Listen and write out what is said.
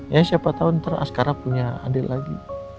ya siapa tau nanti asgara punya adel lagi